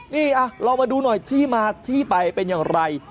นี่เรามาดูหน่อยที่มาที่ไปเป็นอย่างไร